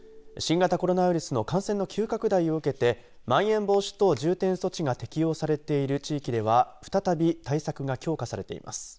新型コロナウイルスの感染の急拡大を受けてまん延防止等重点措置が適用されている地域では再び、対策が強化されています。